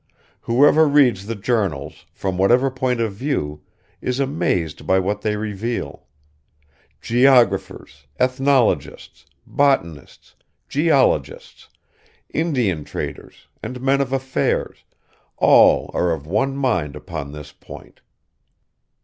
Whoever reads the journals, from whatever point of view, is amazed by what they reveal. Geographers, ethnologists, botanists, geologists, Indian traders, and men of affairs, all are of one mind upon this point.